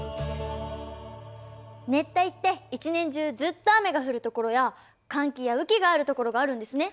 熱帯って一年中ずっと雨が降るところや乾季や雨季があるところがあるんですね。